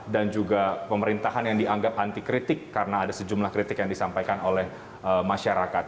juga pemerintahan yang dianggap anti kritik karena ada sejumlah kritik yang disampaikan oleh masyarakat